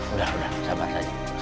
udah udah sabar saja